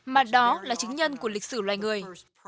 mà đó là chứng nhân của lịch sử loài người